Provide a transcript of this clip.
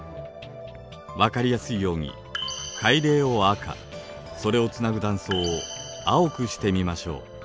分かりやすいように海嶺を赤それをつなぐ断層を青くしてみましょう。